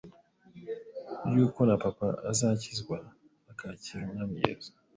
yuko na papa azakizwa akakira Umwami Yesu.